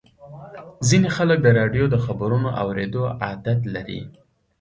ځینې خلک د راډیو د خبرونو اورېدو عادت لري.